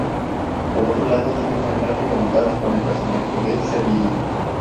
Por otro lado, tiene una gran rivalidad con el personaje de Servilia.